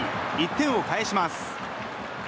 １点を返します。